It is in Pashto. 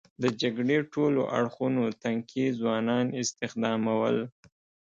د جګړې ټولو اړخونو تنکي ځوانان استخدامول.